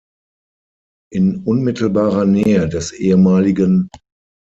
In unmittelbarer Nähe des ehem.